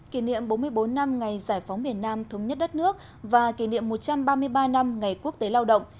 kỷ niệm bốn mươi bốn năm ngày giải phóng miền nam thống nhất đất nước và kỷ niệm một trăm ba mươi ba năm ngày quốc tế lao động